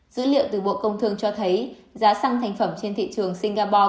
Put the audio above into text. dữ liệu từ bộ công thương cho thấy giá xăng thành phẩm trên thị trường singapore